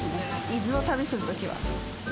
伊豆を旅する時は。